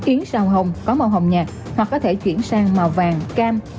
yến xào hồng có màu hồng nhạc hoặc có thể chuyển sang màu vàng cam